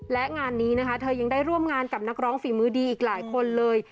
และงานนี้นะคะเธอยังได้ร่วมงานกับนักร้องฝีมือดีอีกหลายคนเลย